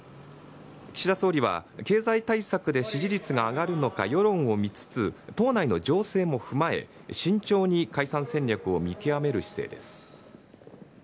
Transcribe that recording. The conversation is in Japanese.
岸田総理は経済対策で支持率が上がるのか世論を見つつ、党内の情勢も踏まえ、慎重に解散戦略を見極める姿勢です。